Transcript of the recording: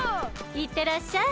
いってらっしゃい。